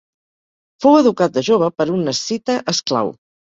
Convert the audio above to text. Fou educat de jove per un escita esclau.